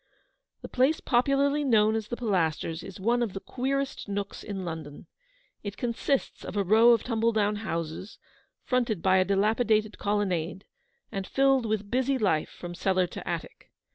The place popularly known as the Pilasters is one of the queerest nooks in London. It consists of a row r of tumble down houses, fronted by a dilapidated colonnade, and filled with busy life from cellar to attic.